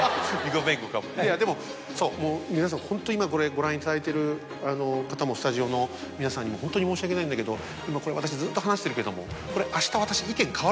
でもそう皆さんホント今これご覧いただいている方もスタジオの皆さんにもホントに申し訳ないんだけど今これ私ずっと話してるけども。